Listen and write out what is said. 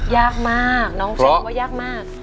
ยากมากน้องพร้อมว่ายากมาก